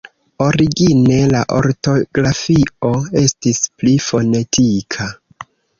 Origine, la ortografio estis pli fonetika.